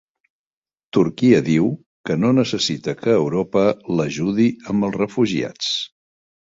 Turquia diu que no necessita que Europa l'ajudi amb els refugiats